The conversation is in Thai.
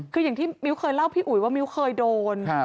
คืออย่างที่มิ้วเคยเล่าพี่อุ๋ยว่ามิ้วเคยโดน